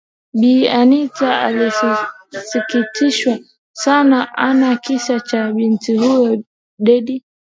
Bi Anita alisikitishwa san ana kisa cha binti huyo Debby